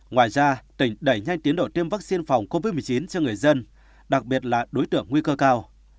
ngoài ra tỉnh đẩy nhanh tiến độ tiêm vaccine phòng covid một mươi chín cho người dân đặc biệt là đối tượng nguy cơ cao